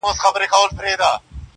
• زړگى مي غواړي چي دي خپل كړمه زه.